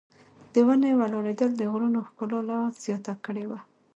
د ونې ولاړېدل د غرونو ښکلا لا زیاته کړې وه.